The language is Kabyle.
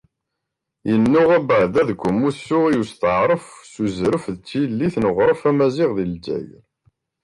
Yennuɣ abeɛda deg umussu i usteɛref s uzref d tillit n uɣref amaziɣ di Lezzayer.